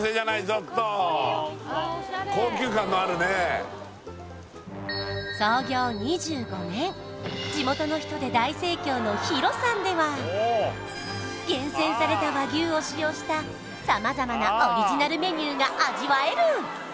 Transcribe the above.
ちょっと高級感のあるね地元の人で大盛況の弘さんでは厳選された和牛を使用した様々なオリジナルメニューが味わえる！